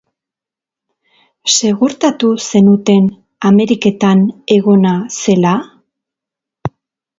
Segurtatu zenuten Ameriketan egona zela?